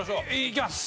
いきます